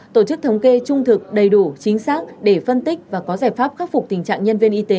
tổ chức thống kê trung thực đầy đủ chính xác để phân tích và có giải pháp khắc phục tình trạng nhân viên y tế